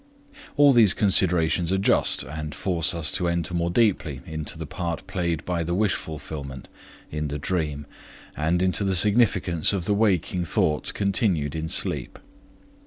All these considerations are just, and force us to enter more deeply into the part played by the wish fulfillment in the dream, and into the significance of the waking thoughts continued in sleep.